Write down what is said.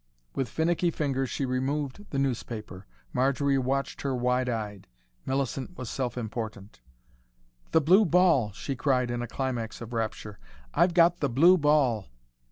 With finicky fingers she removed the newspaper. Marjory watched her wide eyed. Millicent was self important. "The blue ball!" she cried in a climax of rapture. "I've got THE BLUE BALL."